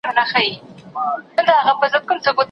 ټولنپوهنه د ټولو علومو ټولګه ده.